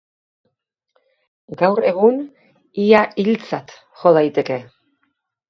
Gaur egun ia hiltzat jo daiteke.